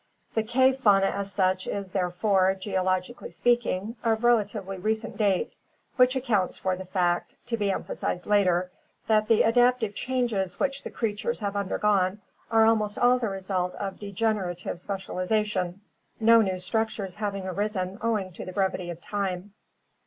The cave fauna as such is therefore, geologically speaking, of relatively recent date, which accounts for the fact, to be emphasized later, that the adaptive changes which the creatures have undergone are almost all the result of degenerative specialization, no new structures having arisen owing to the brevity of time.